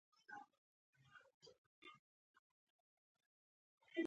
پیلوټ تل د تازه معلوماتو له مخې الوتنه کوي.